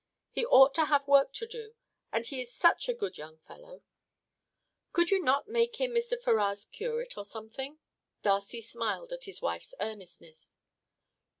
He ought to have work to do, and he is such a good young fellow. Could you not make him Mr. Ferrars's curate, or something?" Darcy smiled at his wife's earnestness.